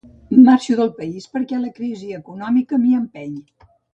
Marxo del país perquè la crisi econòmica m'hi empeny.